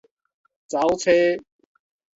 走差